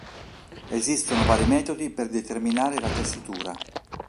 Esistono vari metodi per determinare la tessitura.